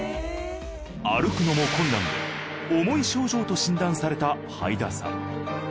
歩くのも困難で重い症状と診断されたはいださん。